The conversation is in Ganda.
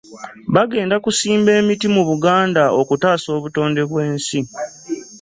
Bagenda kusimba emiti mu Buganda okutaasa obutonde bw'ensi